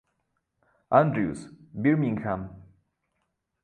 Andrews, Birmingham.